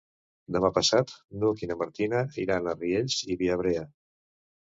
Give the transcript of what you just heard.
Demà passat n'Hug i na Martina iran a Riells i Viabrea.